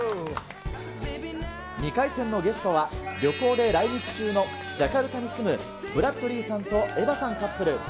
２回戦のゲストは、旅行で来日中のジャカルタに住む、ブラッドリーさんとエヴァさんカップル。